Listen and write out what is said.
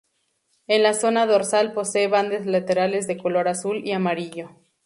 En la zona dorsal posee bandas laterales de color azul y amarillo.